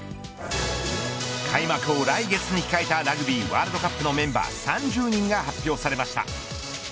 開幕を来月に控えたラグビーワールドカップのメンバー３０人が発表されました。